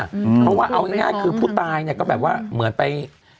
เพราะว่าเอาง่ายคือผู้ตายเนี่ยก็แบบว่าเหมือนไป